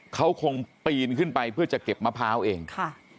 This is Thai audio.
เขาคงปีนขึ้นไปเพื่อจะเก็บมะพร้าวเองค่ะ